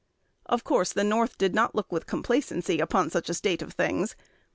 Of course, the North did not look with complacency upon such a state of things.